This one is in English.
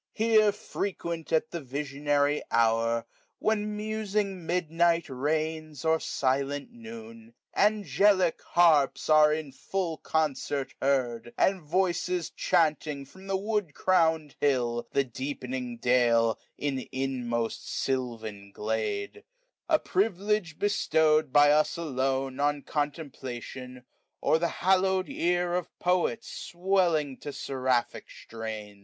555 ^^ Herb frequent, at the visionary hour^ ^< When musing midnight reigns or siknt tioou^ *^ Angelic harps are in full concert heard, ^' And voices chaunting from the wood*crown'd hill» ^ The deepening dale, in uuaost sylvan glade: 560 A privilege bestow'd by us, alone^ ^^ On contemplation, or the hallow'd ear Of Poet, swelling to seraphic strains."